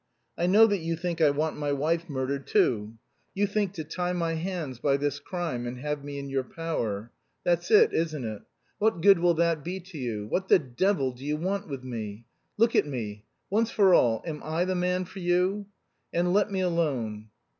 I know that you think I want my wife murdered too. You think to tie my hands by this crime, and have me in your power. That's it, isn't it? What good will that be to you? What the devil do you want with me? Look at me. Once for all, am I the man for you? And let me alone."